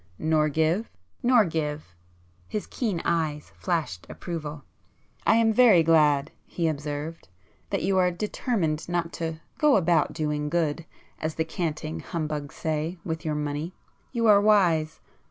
"Nor give?" "Nor give." His keen eyes flashed approval. "I am very glad," he observed, "that you are determined not to 'go about doing good' as the canting humbugs say, with your money. You are wise.